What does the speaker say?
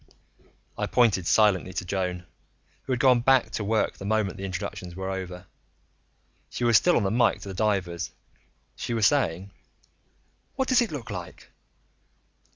I pointed silently to Joan, who had gone back to work the moment the introductions were over. She was still on the mike to the divers. She was saying: "What does it look like?"